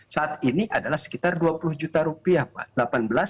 saat ini adalah sekitar dua puluh juta rupiah pak